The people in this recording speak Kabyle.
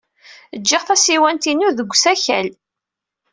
Jjiɣ tasiwant-inu deg usakal.